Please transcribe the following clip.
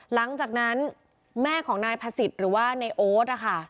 หลังจากนั้นแม่ของนายพระศิษย์หรือว่าในโอ๊ตนะคะ